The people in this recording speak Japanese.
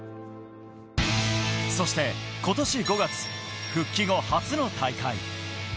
そして今年５月、復帰後初の大会。